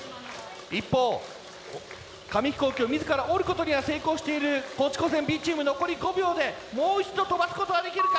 一方紙飛行機を自ら折ることには成功している高知高専Ｂチーム残り５秒でもう一度飛ばすことはできるか。